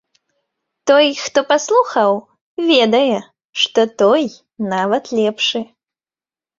Той, хто паслухаў, ведае, што той, нават лепшы.